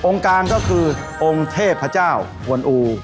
กลางก็คือองค์เทพเจ้ากวนอู